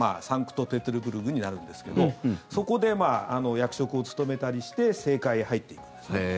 サンクトペテルブルクになるんですけどそこで役職を務めたりして政界へ入っていくんです。